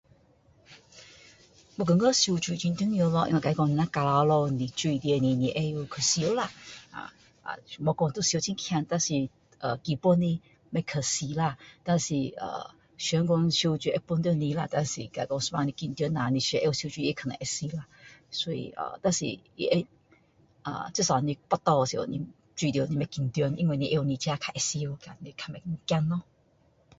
我觉得游泳很重要咯因为若是说你若掉下去溺水不是你会去游啦啊啊不说要游很强但是啊基本的不可惜啦但是啊想说游泳会帮到你啦但是啊有时候你紧张一下你想到你会游啦但是他会 ah 至少你掉下去时你会不会紧张因为你自己知道你较会游你较不会怕咯